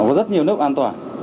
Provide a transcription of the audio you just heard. nó có rất nhiều nước an toàn